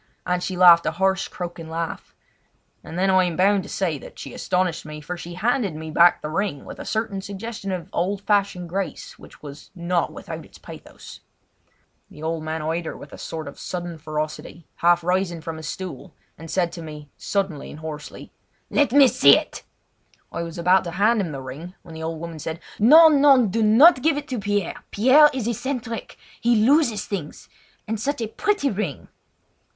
and she laughed a harsh, croaking laugh. And then I am bound to say that she astonished me, for she handed me back the ring with a certain suggestion of old fashioned grace which was not without its pathos. The old man eyed her with a sort of sudden ferocity, half rising from his stool, and said to me suddenly and hoarsely: "Let me see!" I was about to hand the ring when the old woman said: "No! no, do not give it to Pierre! Pierre is eccentric. He loses things; and such a pretty ring!"